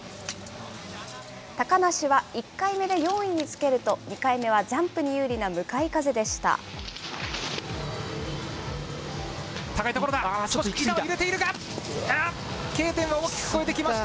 高梨は１回目で４位につけると、２回目はジャンプに有利な向かい風でした。